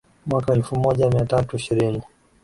mwaka elfu moja mia tatu ishirini